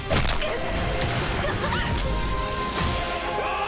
あっ！